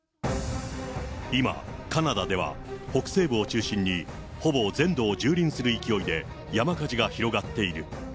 今、カナダでは北西部を中心に、ほぼ全土をじゅうりんする勢いで山火事が広がっている。